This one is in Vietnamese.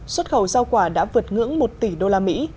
xuất khẩu giao quả đã vượt ngưỡng một tỷ usd